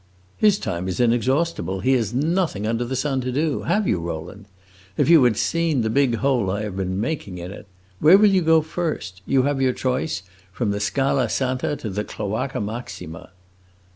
"His time is inexhaustible; he has nothing under the sun to do. Have you, Rowland? If you had seen the big hole I have been making in it! Where will you go first? You have your choice from the Scala Santa to the Cloaca Maxima."